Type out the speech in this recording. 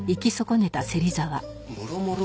もろもろ